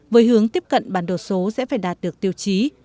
với hướng tiếp cận bản đồ số sẽ phải đạt được tiêu chí